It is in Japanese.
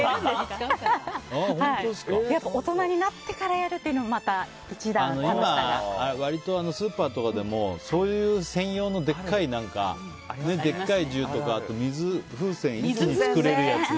やっぱり大人になってからやるっていうのも今、割とスーパーとかでもそういう専用のでっかい銃とか水風船を一気に作れるやつね。